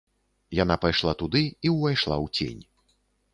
Яна пайшла туды і ўвайшла ў цень.